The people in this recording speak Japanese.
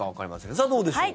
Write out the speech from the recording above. さあ、どうでしょうか？